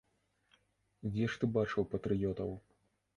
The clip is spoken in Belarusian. Дзе ж ты бачыў патрыётаў?